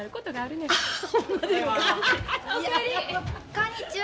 こんにちは。